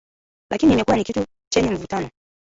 Lakini imekuwa ni kitu chenye mvutano ,